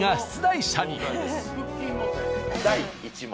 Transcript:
第１問。